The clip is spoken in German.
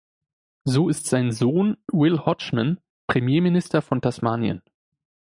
So ist sein Sohn Will Hodgman Premierminister von Tasmanien.